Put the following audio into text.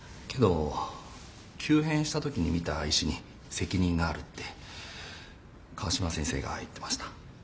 けど急変した時に診た医師に責任があるって川島先生が言ってました。